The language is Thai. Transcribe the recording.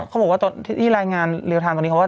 เขาบอกว่าที่รายงานเรือทางตอนนี้